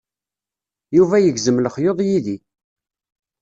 Yuba yegzem lexyuḍ yid-i.